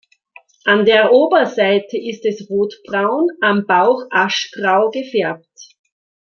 An der Oberseite ist es rotbraun, am Bauch aschgrau gefärbt.